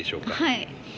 はい。